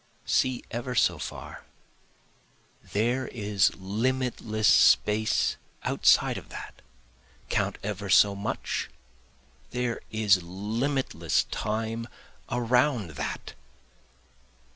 See ever so far, there is limitless space outside of that, Count ever so much, there is limitless time around that.